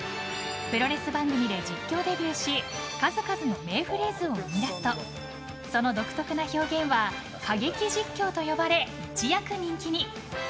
プロレス番組で実況デビューし数々の名フレーズを生み出すとその独特な表現は過激実況と呼ばれ一躍人気に。